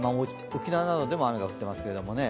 沖縄などでも雨が降っていますけどね。